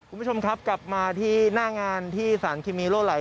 คุณผู้ชมครับกลับมาที่หน้างานที่สารเคมีโล่ไหล